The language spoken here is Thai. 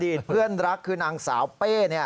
เพื่อนรักคือนางสาวเป้